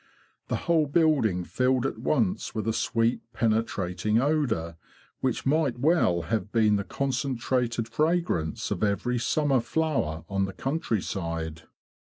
The whole building filled at once with a sweet penetrating odour, which might well have been the concentrated fragrance of every summer flower on the countryside.